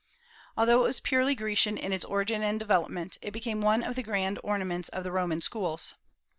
Although it was purely Grecian in its origin and development, it became one of the grand ornaments of the Roman schools.